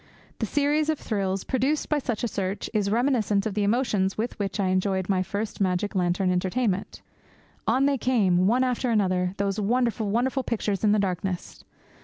The series of thrills produced by such a search is reminiscent of the emotions with which I enjoyed my first magic lantern entertainment. On they came, one after another, those wonderful, wonderful pictures in the darkness.